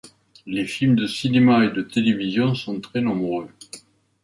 Les films de cinéma et de télévision sont très nombreux.